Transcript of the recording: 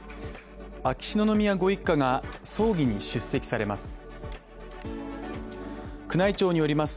秋篠宮ご一家が葬儀に出席されます。